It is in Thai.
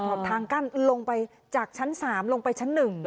ขอบทางกล้านลงไปจากชั้นสามลงไปชั้นหนึ่ง